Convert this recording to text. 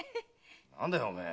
何だよおめえ。